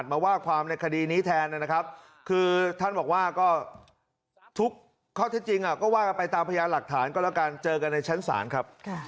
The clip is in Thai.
ถ้างานนี้ยังแพ้กูนะมึงหมาเลยนะ